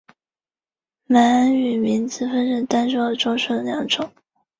城市平均海拔为。